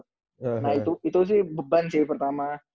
nah itu sih beban sih pertama